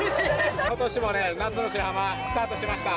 ことしもね、夏の白浜、スタートしました。